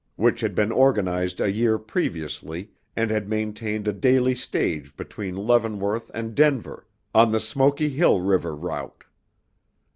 which had been organized a year previously and had maintained a daily stage between Leavenworth and Denver, on the Smoky Hill River Route.